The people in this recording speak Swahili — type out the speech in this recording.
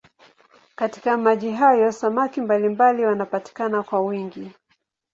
Katika maji hayo samaki mbalimbali wanapatikana kwa wingi.